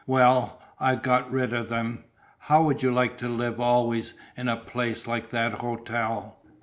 Well, I've got rid of them. How would you like to live always in a place like that hotel?"